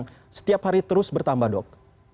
pasien pasien yang setiap hari terus bertambah dok